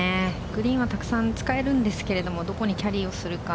グリーンはたくさん使えるんですけどどこにキャリーをするか。